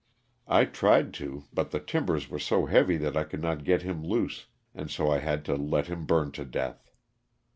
I tried to but the timbers were so heavy that I could not get him loose and so I had to let him burn to death.